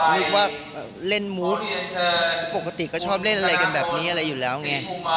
นึกว่าเล่นมูธปกติก็ชอบเล่นอะไรกันแบบนี้อะไรอยู่แล้วไง